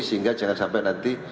sehingga jangan sampai nanti